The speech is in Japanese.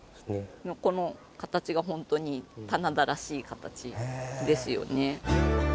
この形がホントに棚田らしい形ですよね。